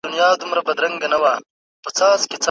که صبر وي نو زده کړه نه پریښودل کیږي.